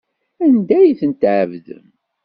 Anda ay tent-tɛebdem?